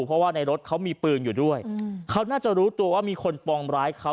เพราะว่าในรถเขามีปืนอยู่ด้วยเขาน่าจะรู้ตัวว่ามีคนปองร้ายเขา